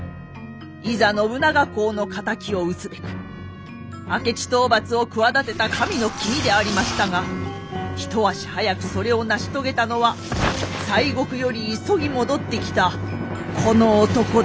いざ信長公の敵を討つべく明智討伐を企てた神の君でありましたが一足早くそれを成し遂げたのは西国より急ぎ戻ってきたこの男でございました。